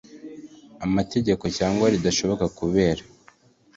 amategeko cyangwa ridashoboka kubera